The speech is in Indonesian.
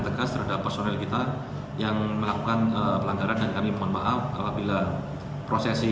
tegas terhadap personel kita yang melakukan pelanggaran dan kami mohon maaf apabila prosesi